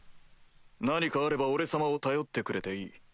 何かあれば俺様を頼ってくれていい。